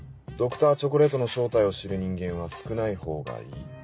Ｄｒ．チョコレートの正体を知る人間は少ない方がいい。